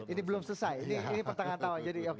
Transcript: ini belum selesai ini pertengahan tahun